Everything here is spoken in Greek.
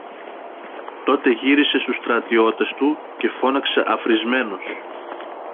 Τότε γύρισε στους στρατιώτες του και φώναξε αφρισμένος